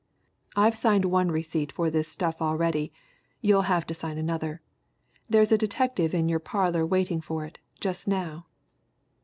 "I've signed one receipt for this stuff already you'll have to sign another. There's a detective in your parlour waiting for it, just now."